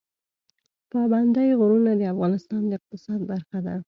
پابندی غرونه د افغانستان د اقتصاد برخه ده.